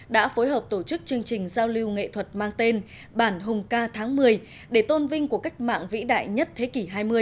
đã phối hợp tổ chức chương trình giao lưu nghệ thuật mang tên bản hùng ca tháng một mươi để tôn vinh của cách mạng vĩ đại nhất thế kỷ hai mươi